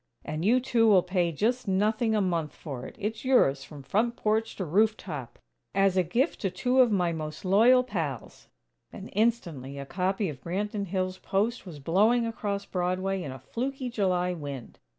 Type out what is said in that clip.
"And you two will pay just nothing a month for it. It's yours, from front porch to roof top, as a gift to two of my most loyal pals." And instantly a copy of Branton Hills' "Post" was blowing across Broadway in a fluky July wind!